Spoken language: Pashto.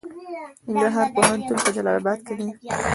د ننګرهار پوهنتون په جلال اباد کې دی